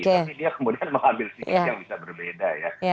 tapi dia kemudian mengambil sikap yang bisa berbeda ya